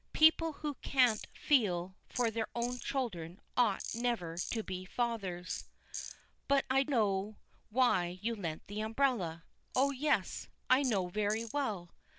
People who can't feel for their own children ought never to be fathers. "But I know why you lent the umbrella. Oh, yes; I know very well.